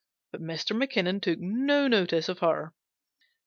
But Mr. Mackinnon took no notice of her.